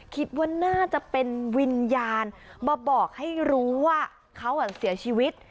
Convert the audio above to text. คิดว่าน่าจะเป็นวิญญาณมาบอกให้รู้ว่าเขาเสียชีวิต